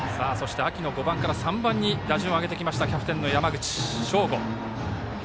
秋の５番から３番に打順を上げてきたキャプテンの山口翔梧。